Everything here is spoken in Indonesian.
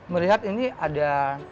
melihat ini ada